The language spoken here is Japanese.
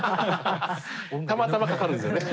たまたまかかるんですよね。